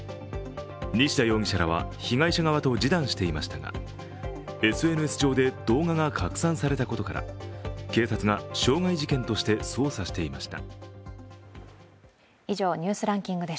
西田容疑者らは被害者側と示談していましたがＳＮＳ上で動画が拡散されたことから警察が傷害事件として捜査していました。